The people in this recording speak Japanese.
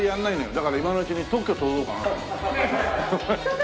だから今のうちに特許取ろうかなと思って。